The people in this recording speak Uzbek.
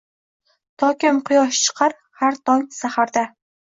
Tokim quyosh chiqar har tong saharda